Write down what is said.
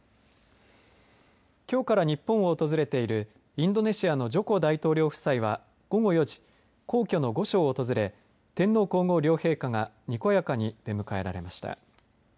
きょうから日本を訪れているインドネシアのジョコ大統領夫妻は午後４時、皇居の御所を訪れ天皇皇后両陛下が、にこやかに出迎えられました。